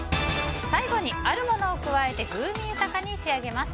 最後にあるものを加えて風味豊かに仕上げます。